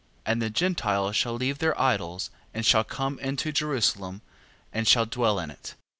14:8. And the Gentiles shall leave their idols, and shall come into Jerusalem, and shall dwell in it.